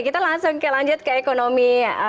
kita langsung kelanjut ke ekonomi